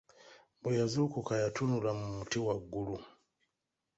Bwe yazuukuka, yatunula mu muti waggulu.